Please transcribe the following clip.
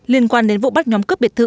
liên quan đến vụ bắt nhóm cướp biệt thự